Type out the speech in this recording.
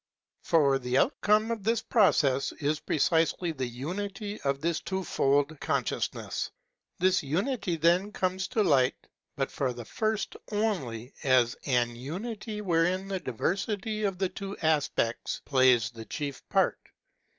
For the outcome of this process is precisely the unity Of this twofold consciousness. This unity, then, comes to light, but for the first only as an unity wherein the diversity of the two aspects plays the chief part.